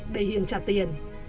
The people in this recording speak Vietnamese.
để hiền trả tiền